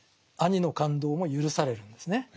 兄の勘当も許されるんですね。